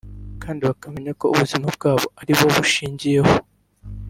kandi bakamenya ko ubuzima bwabo aribo bushingiyeho